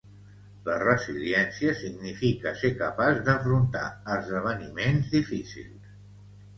La resiliència significa ser capaç d'afrontar esdeveniments difícils